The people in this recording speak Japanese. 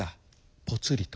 ぽつりと。